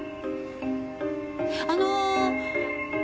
あの。